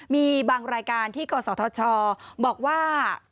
มีบางรายการที่กศธชบอกว่า